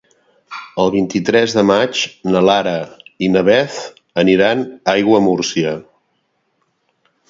El vint-i-tres de maig na Lara i na Beth aniran a Aiguamúrcia.